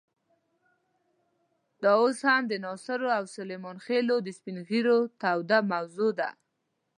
دا اوس هم د ناصرو او سلیمان خېلو د سپین ږیرو توده موضوع ده.